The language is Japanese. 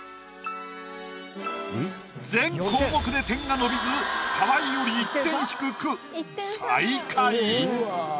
全項目で点が伸びず河合より１点低く最下位。